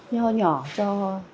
nhỏ nhỏ cho